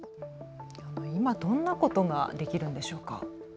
今どんなことができるんでしょうか。